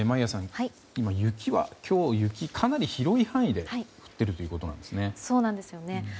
今、雪はかなり広い範囲で降っているということなんですね。